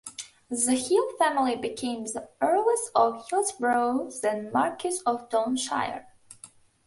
The Hill family became the Earls of Hillsborough, then Marquises of Downshire.